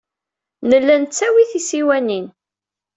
Nella nettawey-d tisiwanin.